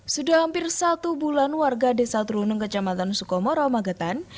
sudah hampir satu bulan warga desa truneng kecamatan sukomoro magetan